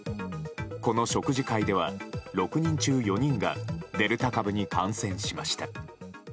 この食事会では６人中４人がデルタ株に感染しました。